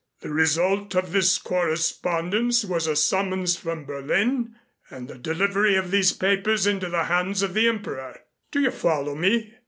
The result of this correspondence was a summons from Berlin and the delivery of these papers into the hands of the Emperor. Do you follow me?"